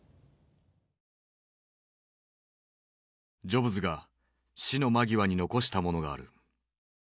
ジョブズが死の間際に残したものがある。